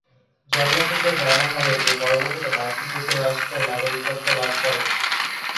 জন্মসূত্রে জার্মান হলেও তিনি পরবর্তীতে মার্কিন যুক্তরাষ্ট্রের নাগরিকত্ব লাভ করেন।